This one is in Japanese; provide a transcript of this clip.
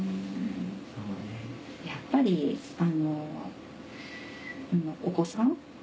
やっぱりお子さん。